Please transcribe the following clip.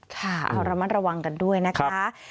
ค่ะเอาระมัดระวังกันด้วยนะคะ